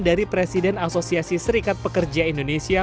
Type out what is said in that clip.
dari presiden asosiasi serikat pekerja indonesia